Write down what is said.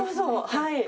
はい。